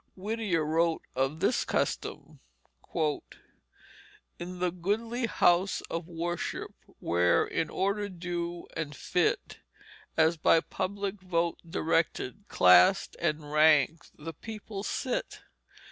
Whittier wrote of this custom: "In the goodly house of worship, where in order due and fit, As by public vote directed, classed and ranked the people sit.